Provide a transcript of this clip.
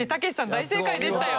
大正解でしたよ。